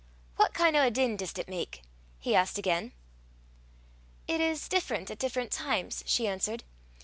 "What kin' o' a din dis 't mak?" he asked again. "It is different at different times," she answered.